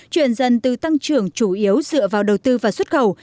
chuyển dần từ tăng trưởng chủ yếu dựa vào đầu tư và xuất khẩu